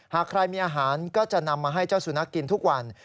หากใครมีอาหารก็จะนำมาให้เจ้าสุนัขกินทุกวัน